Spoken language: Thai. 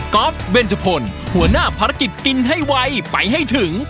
อล์ฟเบนจพลหัวหน้าภารกิจกินให้ไวไปให้ถึง